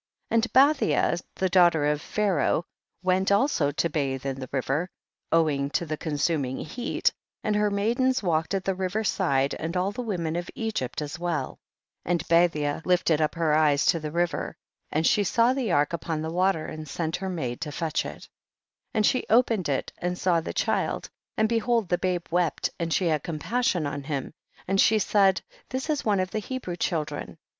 17. And Bathia, the daughter of Pharaoh, went also to bathe in the river, owing to the consuming heat, and her maidens walked at the river side, and all the women of Egyptf as well. * Her prophecy, mentioned in v. 1. t Walked about in respectful attendance on Bathia. 18. And Bathia lifted up her eyes to the river, and she saw the ark up on the water, and sent her maid to fetch it. 19. And she opened it and saw the child, and behold the babe wept, and she had compassion on him, and she said, this is one of the Hebrew chil dren.